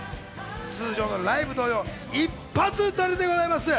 通常のライブ同様、一発録りでございます。